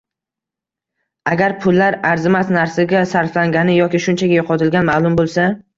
Agar pullar arzimas narsaga sarflangani yoki shunchaki yo‘qotilgani ma’lum bo‘lsa